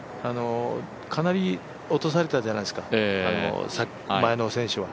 かなり落とされたじゃないですか前の選手は。